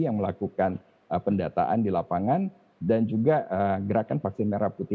yang melakukan pendataan di lapangan dan juga gerakan vaksin merah putih